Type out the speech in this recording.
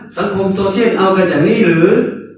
สังคมโซเชียลเอากันอย่างนี้หรือ